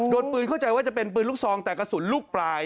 โดนปืนเข้าใจว่าจะเป็นปืนลูกซองแต่กระสุนลูกปลาย